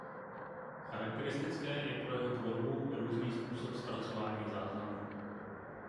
Charakteristické je pro jeho tvorbu různý způsob zpracování záznamu.